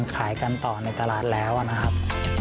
ขายกันต่อในตลาดแล้วนะครับ